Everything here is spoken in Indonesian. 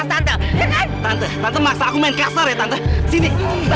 tante tante masa aku main kasar ya tante sini